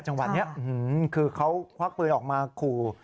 จังหวัดนี้คือเขาควักปืนออกมาขู่